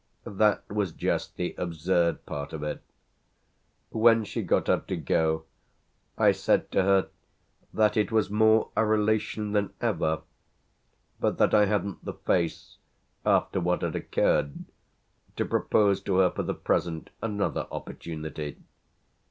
That was just the absurd part of it. When she got up to go I said to her that it was more a relation than ever, but that I hadn't the face after what had occurred to propose to her for the present another opportunity.